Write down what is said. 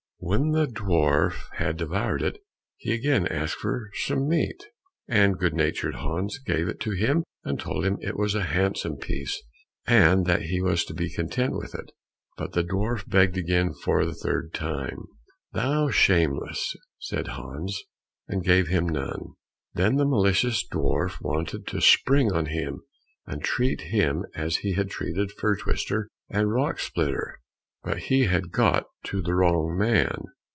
When the dwarf had devoured it, he again asked for some meat, and good natured Hans gave it to him, and told him it was a handsome piece, and that he was to be content with it. But the dwarf begged again for the third time. "Thou art shameless!" said Hans, and gave him none. Then the malicious dwarf wanted to spring on him and treat him as he had treated Fir twister and Rock splitter, but he had got to the wrong man.